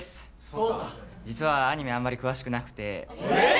奏汰実はアニメあんまり詳しくなくてええっ！？